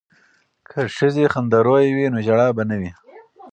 که ښځې خندرویه وي نو ژړا به نه وي.